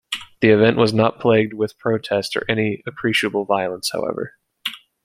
The event was not plagued with protest or any appreciable violence, however.